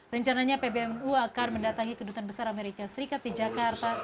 rencananya pbnu akan mendatangi kedutaan besar amerika serikat di jakarta